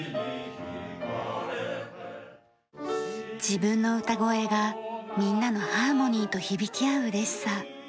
自分の歌声がみんなのハーモニーと響き合う嬉しさ。